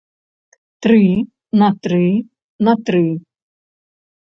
Тры на тры на тры.